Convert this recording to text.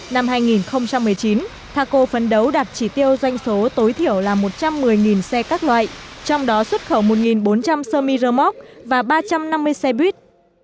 năm hai nghìn một mươi chín thaco phấn đấu đạt chỉ tiêu doanh số tối thiểu là một trăm một mươi xe các loại trong đó xuất khẩu một bốn trăm linh sơ mi rơ móc và ba trăm năm mươi xe buýt